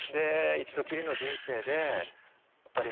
一度きりの人生でやっぱり